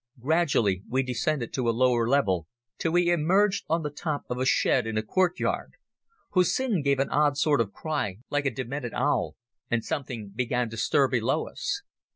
Gradually we descended to a lower level, till we emerged on the top of a shed in a courtyard. Hussin gave an odd sort of cry, like a demented owl, and something began to stir below us.